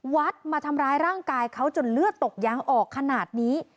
วัดมาทำร้ายร่างกายเขาจนเลือดตกยางออกขนาดนี้